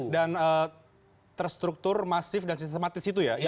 dan terstruktur masif dan sistematis itu ya